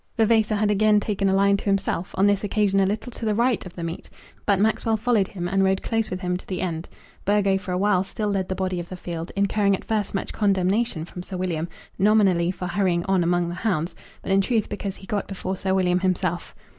Vavasor had again taken a line to himself, on this occasion a little to the right of the meet; but Maxwell followed him and rode close with him to the end. Burgo for a while still led the body of the field, incurring at first much condemnation from Sir William, nominally for hurrying on among the hounds, but in truth because he got before Sir William himself.